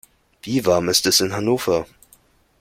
Wie warm ist es in Hannover?